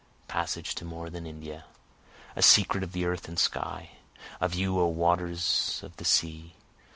Passage to more than India! O secret of the earth and sky! Of you O waters of the sea!